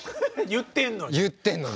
言ってんのに。